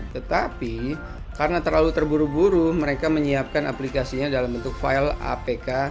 tetapi karena terlalu terburu buru mereka menyiapkan aplikasinya dalam bentuk file apk